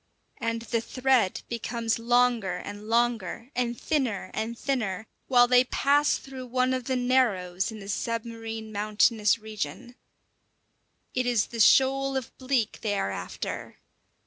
And the thread becomes longer and longer, and thinner and thinner, while they pass through one of the narrows in the submarine mountainous region. It is the shoal of bleak they are after.